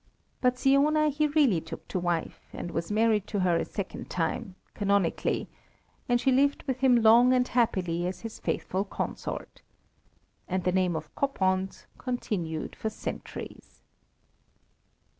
But Siona he really took to wife, and was married to her a second time, canonically, and she lived with him long and happily as his faithful consort. And the name of Koppand continued for centuries.